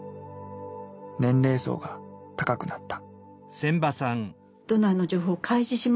年齢層が高くなった。